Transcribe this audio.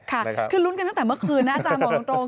ค่ะคือลุ้นกันตั้งแต่เมื่อคืนนะอาจารย์บอกตรง